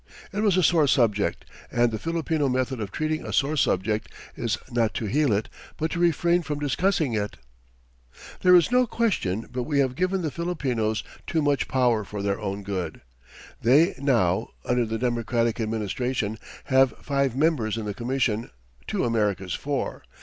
It was a sore subject, and the Filipino method of treating a sore subject is not to heal it, but to refrain from discussing it. There is no question but we have given the Filipinos too much power for their own good. They now, under the Democratic Administration, have five members in the Commission, to America's four.